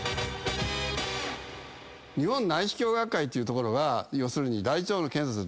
日本内視鏡学会っていう所が要するに大腸の検査するとこね。